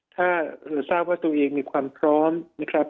ถ้าทราบว่าตัวเองมีความพร้อมนะครับ